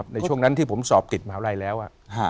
ในช่วงนั้นที่ผมติดสอบเถอะ